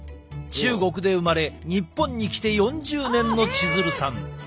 中国で生まれ日本に来て４０年の千鶴さん。